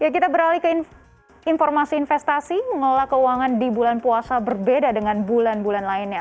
kita beralih ke informasi investasi mengelola keuangan di bulan puasa berbeda dengan bulan bulan lainnya